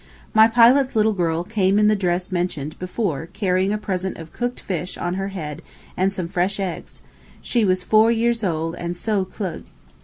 My pilot's little girl came in the dress mentioned before carrying a present of cooked fish on her head and some fresh eggs; she was four years old and so klug.